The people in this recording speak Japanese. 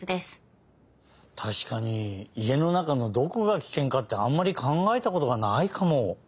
たしかに家の中のどこがキケンかってあんまりかんがえたことがないかも。